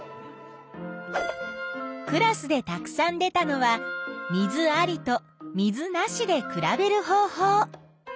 クラスでたくさん出たのは水ありと水なしで比べる方法。